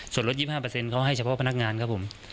ส่วนรถ๒๕เขาให้เฉพาะพนักงานครับผม